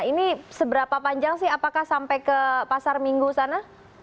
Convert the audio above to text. ini seberapa panjang sih apakah sampai ke pasar minggu sana